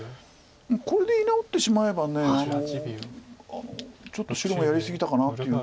これで居直ってしまえばちょっと白がやり過ぎたかなっていう。